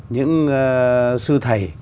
những sư thầy